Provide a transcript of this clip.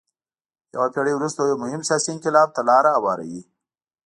یوه پېړۍ وروسته یو مهم سیاسي انقلاب ته لار هواروي.